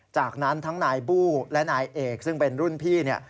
จากนั้นทั้งนายบู้และนายเอกซึ่งเป็นรุ่นพี่เนี่ย